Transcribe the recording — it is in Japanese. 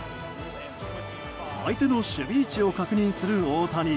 相手の守備位置を確認する大谷。